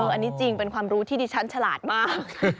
อันนี้จริงเป็นความรู้ที่ดิฉันฉลาดมาก